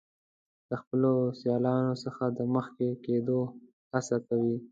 د خپلو سیالانو څخه د مخکې کیدو هڅه کوي.